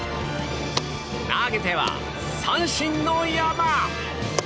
投げては三振の山。